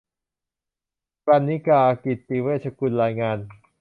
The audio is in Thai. กรรณิการ์ กิจติเวชกุล รายงาน